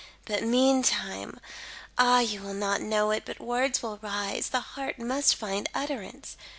"But meantime! Ah, you will not know it, but words will rise the heart must find utterance.